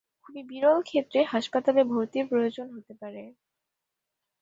খুবই বিরল ক্ষেত্রে হাসপাতালে ভর্তির প্রয়োজন হতে পারে।